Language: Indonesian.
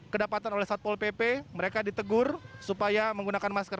kedapatan oleh satpol pp mereka ditegur supaya menggunakan masker